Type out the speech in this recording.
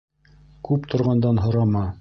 Күп торғандан һорама